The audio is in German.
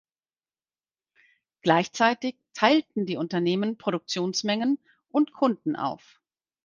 Gleichzeitig teilten die Unternehmen Produktionsmengen und Kunden auf.